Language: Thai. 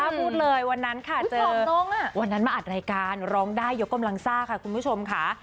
พูดเลยวันนั้นค่ะเจอวันนั้นมาอัดรายการร้องได้ยกกำลังซ่าค่ะคุณผู้ชมค่ะ